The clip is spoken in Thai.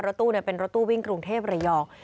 ตู้เป็นรถตู้วิ่งกรุงเทพระยอง